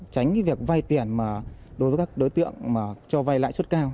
tránh việc vay tiền đối với các đối tượng cho vay lãi suất cao